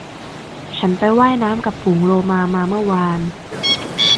ฉันไปว่ายน้ำกับฝูงโลมามาเมื่อวาน